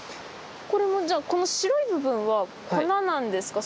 これもじゃあこの白い部分は粉なんですか？